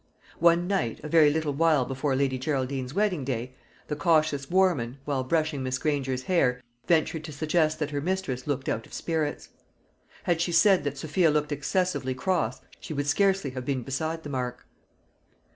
One night, a very little while before Lady Geraldine's wedding day, the cautious Warman, while brushing Miss Granger's hair, ventured to suggest that her mistress looked out of spirits. Had she said that Sophia looked excessively cross, she would scarcely have been beside the mark.